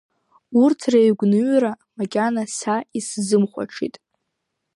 Урҭ реигәныҩра макьана са исзымхәаҽит.